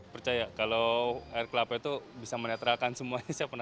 percaya kalau air kelapa itu bisa menetralkan semua ini